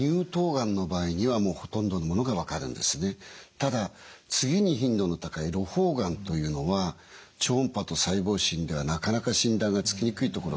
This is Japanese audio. ただ次に頻度の高いろ胞がんというのは超音波と細胞診ではなかなか診断がつきにくいところがございます。